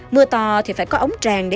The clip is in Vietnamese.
mưa to thì phải có ống tràn để nuôi